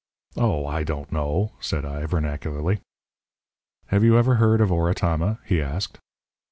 "Oh, I don't know!" said I, vernacularly. "Have you ever heard of Oratama?" he asked.